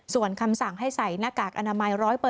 ส่วนคำสั่งให้ใส่หน้ากากอนามัย๑๐๐